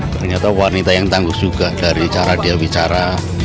ternyata wanita yang tangguh juga dari cara dia bicara